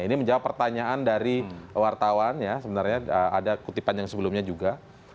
ini menjawab pertanyaan dari wartawan ya sebenarnya ada kutipan yang sebelumnya juga